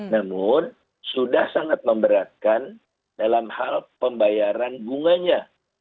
namun sudah sangat memberatkan dalam hal pembayaran bunganya